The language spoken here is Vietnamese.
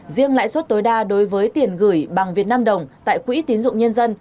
riêng lãi suất tối đa đối với tiền gửi bằng việt nam đồng tại quỹ tín dụng nhân dân